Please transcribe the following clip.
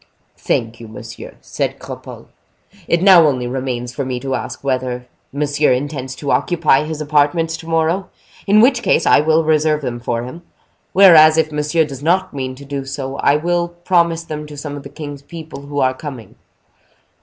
"Thank you, monsieur," said Cropole. "It now only remains for me to ask whether monsieur intends to occupy his apartments to morrow, in which case I will reserve them for him; whereas, if monsieur does not mean to do so, I will promise them to some of the king's people who are coming."